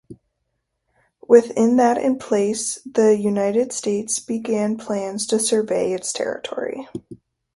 With that in place the United States began plans to survey its territory.